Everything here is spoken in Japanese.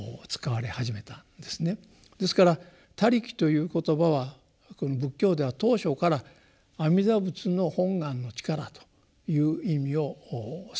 ですから「他力」という言葉はこの仏教では当初から阿弥陀仏の本願の力という意味を鮮明に持っているわけです。